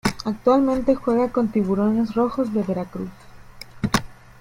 Actualmente juega con Tiburones Rojos de Veracruz.